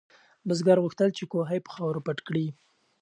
بزګر غوښتل چې کوهی په خاورو پټ کړي.